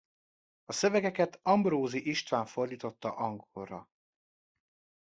A szövegeket Ambrózy István fordította angolra.